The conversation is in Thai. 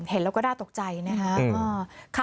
เห็นแล้วก็ได้ตกใจนะครับ